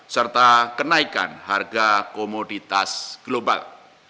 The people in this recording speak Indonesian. serta kenaikan harga komoditas global